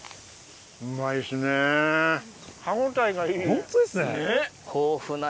ホントですね！